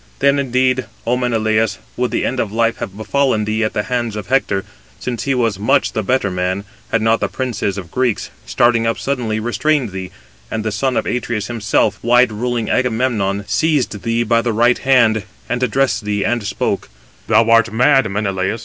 Then, indeed, Ο Menelaus, would the end of life have befallen thee at the hands of Hector, since he was much the better man, had not the princes of the Greeks, starting up suddenly, restrained thee, and the son of Atreus himself, wide ruling Agamemnon, seized thee by the right hand, and addressed thee, and spoke: "Thou art mad, O Menelaus!